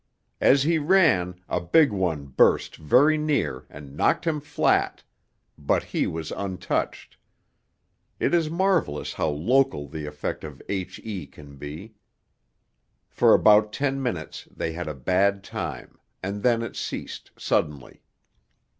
As he ran, a big one burst very near and knocked him flat, but he was untouched; it is marvellous how local the effect of H.E. can be. For about ten minutes they had a bad time, and then it ceased, suddenly.